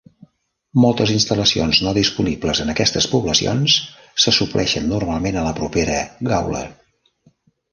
Moltes instal·lacions no disponibles en aquestes poblacions se supleixen normalment a la propera Gawler.